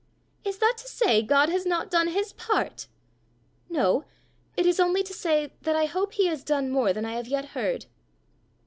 "Is that to say God has not done his part?" "No; it is only to say that I hope he has done more than I have yet heard."